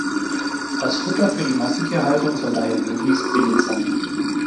Das Futter für die Massentierhaltung soll daher möglichst billig sein.